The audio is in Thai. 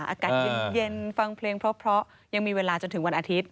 อากาศเย็นฟังเพลงเพราะยังมีเวลาจนถึงวันอาทิตย